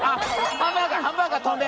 ハンバーガー飛んで！